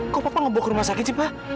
kok papa ngebawa ke rumah sakit sih pa